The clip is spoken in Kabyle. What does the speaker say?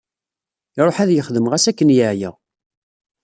Iruḥ ad yexdem ɣas akken yeɛya.